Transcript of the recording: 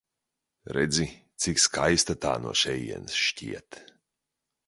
Redzi, cik skaista tā no šejienes šķiet?